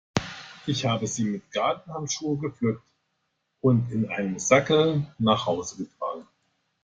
Ich habe sie mit Gartenhandschuhen gepflückt und in einem Sackerl nach Hause getragen.